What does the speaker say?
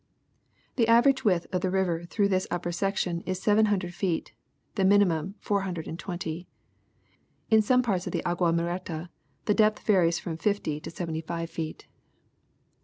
. The average width of the river through this upper section is seven hundred feet, the minimum four hundx'ed and twenty. Li some parts of the Agua Muerte the depth varies from fifty to seventy five feet. 332 National Geographic Magazine.